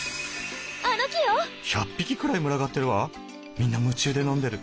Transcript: みんな夢中で飲んでる。